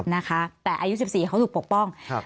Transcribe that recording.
นะคะแต่อายุ๑๔เขาถูกปกป้องครับ